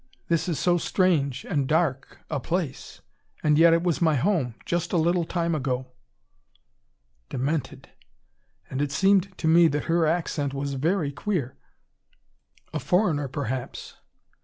This is so strange and dark a place. And yet it was my home, just a little time ago." Demented! And it seemed to me that her accent was very queer. A foreigner, perhaps.